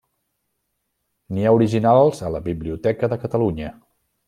N'hi ha originals a la Biblioteca de Catalunya.